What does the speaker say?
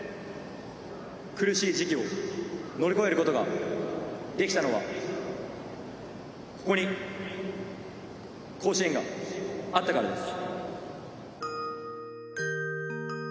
苦しい時期も乗り越えることができたのは、ここに甲子園があったからです。